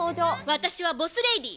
私はボス・レディ。